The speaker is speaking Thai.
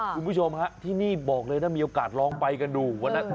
คุณผู้ชมค่ะที่นี่บอกเลยว่ามีโอกาสลองไปกันดู